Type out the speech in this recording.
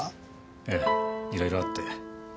ええいろいろあって。